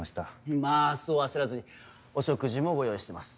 まぁそう焦らずにお食事もご用意してます。